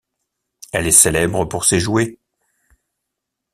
Elle est célèbre pour ses jouets.